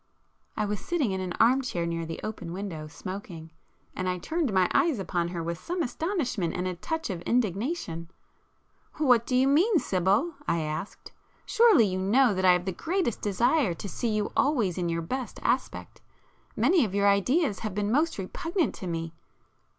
I was sitting in an arm chair near the open window, smoking, and I turned my eyes upon her with some astonishment and a touch of indignation. "What do you mean, Sibyl?" I asked—"Surely you know that I have the greatest desire to see you always in your best aspect,—many of your ideas have been most repugnant to me...."